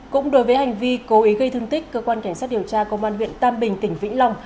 cũng đối với hành vi cố ý gây thương tích cơ quan cảnh sát điều tra công an huyện tam bình tỉnh vĩnh long